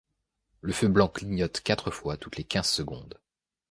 Le feu blanc clignote quatre fois toutes les quinze secondes.